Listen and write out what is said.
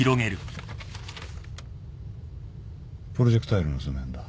プロジェクタイルの図面だ。